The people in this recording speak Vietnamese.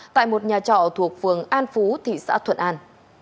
tại một nhà trọ thuộc phường an phú thị xã thuận an